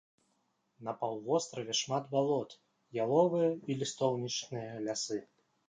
На паўвостраве шмат балот, яловыя і лістоўнічныя лясы.